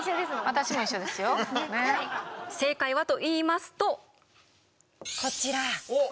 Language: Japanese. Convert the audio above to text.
正解はといいますとこちら。おっ。